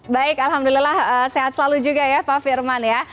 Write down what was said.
baik alhamdulillah sehat selalu juga ya pak firman ya